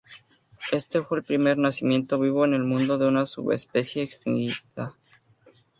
Este fue el primer nacimiento vivo en el mundo de una subespecie extinguida.